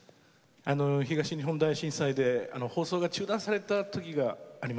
あの東日本大震災で放送が中断された時がありました。